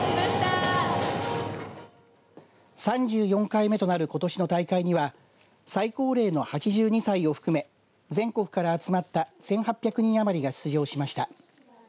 ３４回目となることしの大会には最高齢の８２歳を含め全国から集まった１８００人余りが出場しました。